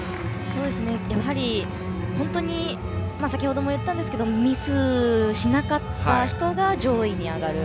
やはり、本当に先程も言ったんですけどミスしなかった人が上位に上がる。